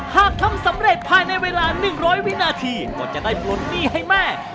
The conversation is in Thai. หากทำสำเร็จภายในเวลา๑๐๐วินาทีก็จะได้ปลดหนี้ให้แม่